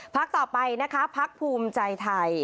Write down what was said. ต่อไปนะคะพักภูมิใจไทย